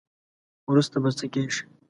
وروسته به څه کیږي.